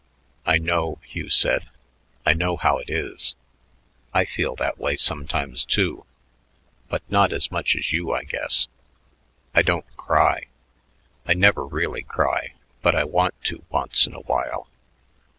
"I know," Hugh said. "I know how it is. I feel that way sometimes, too, but not as much as you, I guess. I don't cry. I never really cry, but I want to once in a while.